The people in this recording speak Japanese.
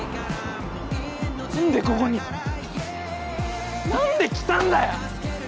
何でここに何で来たんだよ！